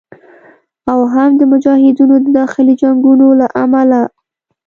او هم د مجاهدینو د داخلي جنګونو له امله